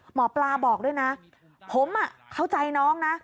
หมอปลาบอกด้วยนะผมเข้าใจน้องนะ